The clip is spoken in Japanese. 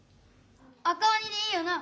「赤おに」でいいよな？